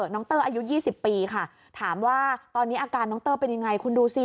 เตอร์อายุ๒๐ปีค่ะถามว่าตอนนี้อาการน้องเตอร์เป็นยังไงคุณดูสิ